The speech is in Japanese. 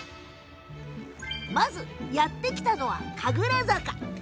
まず、やって来たのは神楽坂。